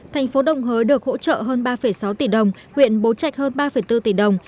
thành phố đồng hới được hỗ trợ hơn ba sáu tỷ đồng huyện bố trạch hơn ba bốn tỷ đồng